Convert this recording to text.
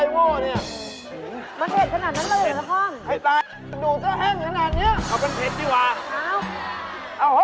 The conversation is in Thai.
ไม่ต้องกินน้ำเปล่าหรอก